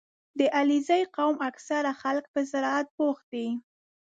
• د علیزي قوم اکثره خلک په زراعت بوخت دي.